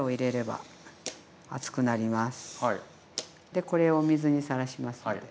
でこれをお水にさらしますので。